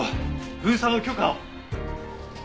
封鎖の許可を。